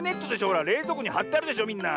ほられいぞうこにはってあるでしょみんな。